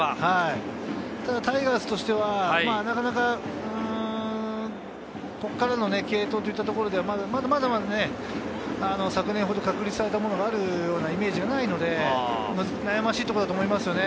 ただタイガースとしては、なかなかここからの継投というところではまだまだ昨年ほど確立されたものがあるようなイメージがないので、悩ましいところだと思いますね。